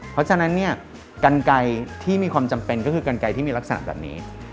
เพราะฉะนั้นเนี่ยกันไกรที่มีความจำเป็นก็คือกันไกรที่มีลักษณะแบบนี้